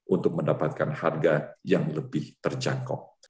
untuk mendapatkan harga yang lebih terjangkau